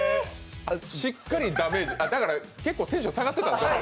しっかりダメージだから結構テンション下がってたんで。